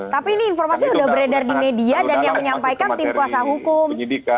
tapi ini informasinya sudah beredar di media dan yang menyampaikan tim kuasa hukum